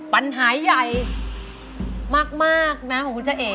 ปัญหาใหญ่มากนะของคุณเจ้าเอ๋